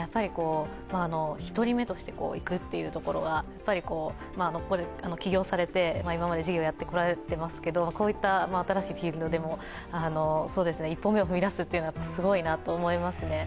１人目として行くというところは起業されて今まで事業をやってこられていますけどこういった新しいフィールドでも一歩目を踏み出すのはすごいなと思いますね。